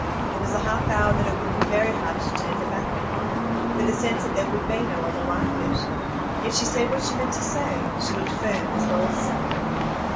It was a half hour that it would be very hard to turn her back upon, with the sense that there would be no other like it. Yet she said what she meant to say; she looked firm as well as sad.